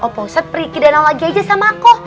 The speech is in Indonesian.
pak ustadz pergi ke danau lagi aja sama aku